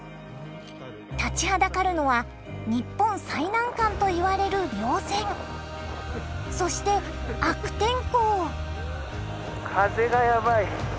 立ちはだかるのは日本最難関といわれる稜線そして悪天候。